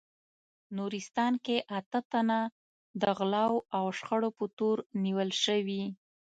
نورستان کې اته تنه د غلاوو او شخړو په تور نیول شوي